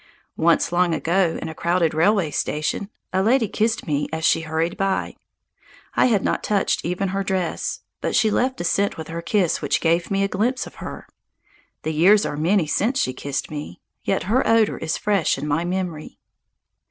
Once, long ago, in a crowded railway station, a lady kissed me as she hurried by. I had not touched even her dress. But she left a scent with her kiss which gave me a glimpse of her. The years are many since she kissed me. Yet her odour is fresh in my memory.